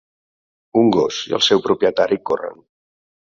Un gos i el seu propietari corren.